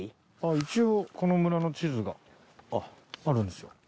一応この村の地図があるんですよ。